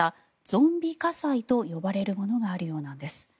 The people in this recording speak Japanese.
ゾンビ火災と呼ばれるものがあるようなんです。